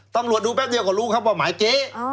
ตำรวจดูแป๊บเดียวก็รู้ครับว่าหมายเจ๊